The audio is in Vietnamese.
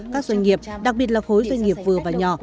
các doanh nghiệp đặc biệt là khối doanh nghiệp vừa và nhỏ